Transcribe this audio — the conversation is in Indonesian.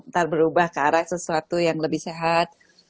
ntar berubah ke arah sesuatu yang lebih sehat